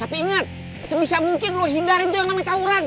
tapi ingat sebisa mungkin lo hindarin itu yang namanya tauran